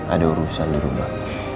ada urusan di rumah